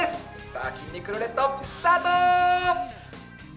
さあ、筋肉ルーレット、スタート！